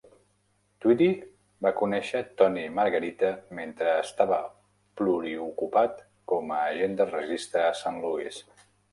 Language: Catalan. Tweedy va conèixer Tony Margherita mentre estava pluriocupat com a agent de registre a St. Louis.